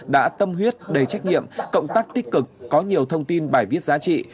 đã tâm huyết đầy trách nhiệm cộng tác tích cực có nhiều thông tin bài viết giá trị